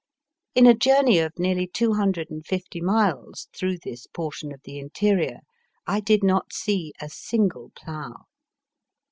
In a journey of nearly two hundred and fifty miles through this por tion of the interior I did not see a single plough.